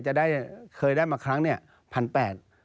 จะได้เคยได้มาครั้ง๑๐๐๐แปด